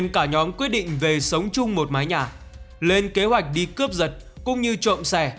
cả nhóm quyết định về sống chung một mái nhà lên kế hoạch đi cướp giật cũng như trộm xe